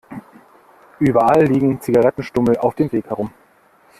Überall liegen Zigarettenstummel auf dem Weg herum.